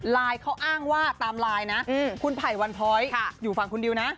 เขาอ้างว่าตามไลน์นะคุณไผ่วันพ้อยอยู่ฝั่งคุณดิวนะ